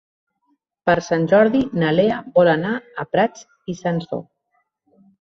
Per Sant Jordi na Lea vol anar a Prats i Sansor.